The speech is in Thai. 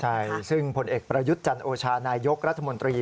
ใช่ซึ่งผลเอกประยุทธ์จันโอชานายกรัฐมนตรี